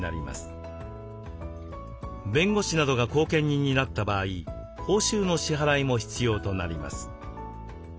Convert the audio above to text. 弁護士などが後見人になった場合報酬の支払いも必要となります。